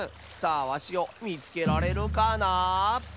さあわしをみつけられるかな？